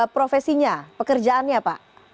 profesinya pekerjaannya pak